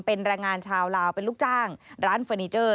เป็นแรงงานชาวลาวเป็นลูกจ้างร้านเฟอร์นิเจอร์